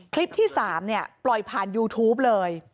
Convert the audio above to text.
คลิปที่๓ปล่อยผ่านยูทูปเลย